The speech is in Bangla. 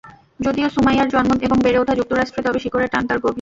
যদিও সুমাইয়ার জন্ম এবং বেড়ে ওঠা যুক্তরাষ্ট্রে, তবে শিকড়ের টান তাঁর গভীর।